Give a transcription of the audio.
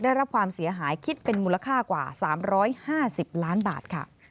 ได้รับความเสียหายคิดเป็นมูลค่ากว่า๓๕๐ล้านบาทค่ะ